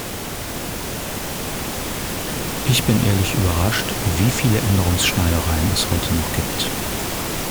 Ich bin ehrlich überrascht, wie viele Änderungsschneidereien es heute noch gibt.